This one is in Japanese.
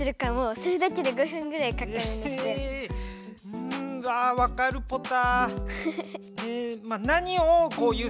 うんあわかるポタ。